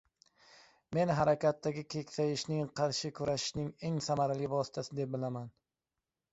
Men harakatni keksayishga qarshi kurashniig eng samarali vositasi deb bilaman.